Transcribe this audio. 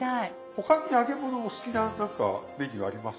他に揚げ物お好きな何かメニューあります？